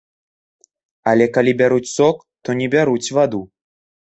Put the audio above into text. Але калі бяруць сок, то не бяруць ваду.